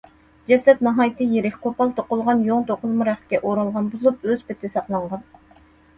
جەسەت ناھايىتى يىرىك، قوپال توقۇلغان يۇڭ توقۇلما رەختكە ئورالغان بولۇپ، ئۆز پېتى ساقلانغان.